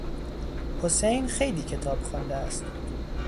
حسین خیلی کتاب خوانده است.